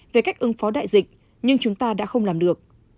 về cách ứng phó đại dịch nhưng chúng ta đã không làm được